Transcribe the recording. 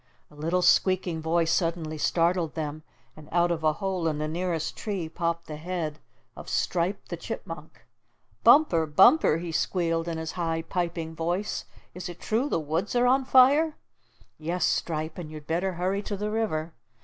A little squeaking voice suddenly startled them, and out of a hole in the nearest tree popped the head of Stripe the Chipmunk. "Bumper! Bumper!" he squealed in his high, piping voice. "Is it true the woods are on fire?" "Yes, Stripe, and you'd better hurry to the river."